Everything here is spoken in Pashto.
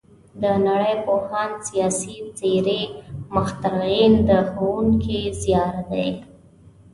د نړۍ پوهان، سیاسي څېرې، مخترعین د ښوونکي زیار دی.